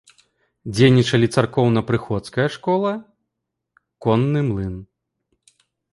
Дзейнічалі царкоўна-прыходская школа, конны млын.